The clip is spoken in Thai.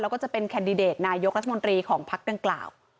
แล้วก็จะเป็นแคนดิเดตนายกรัฐมนตรีของพักดังกล่าว